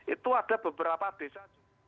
itu ada beberapa desa